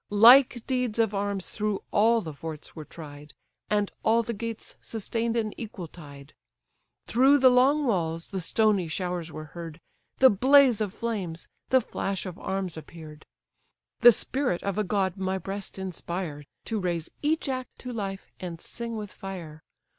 Like deeds of arms through all the forts were tried, And all the gates sustain'd an equal tide; Through the long walls the stony showers were heard, The blaze of flames, the flash of arms appear'd. The spirit of a god my breast inspire, To raise each act to life, and sing with fire!